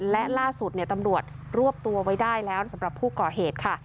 และล่าสุดตำรวจรวบตัวไว้ได้แล้วสำหรับผู้ก่อเหตุค่ะ